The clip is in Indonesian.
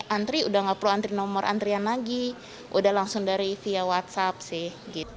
antri udah gak perlu antri nomor antrian lagi udah langsung dari via whatsapp sih